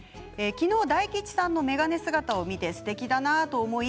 昨日、大吉さんの眼鏡姿を見てすてきだなと思い